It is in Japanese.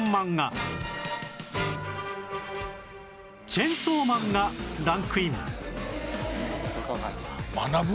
『チェンソーマン』がランクイン学ぶ？